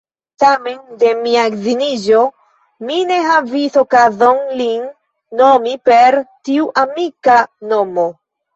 Tamen, de mia edziniĝo, mi ne havis okazon lin nomi per tiu amika nomo.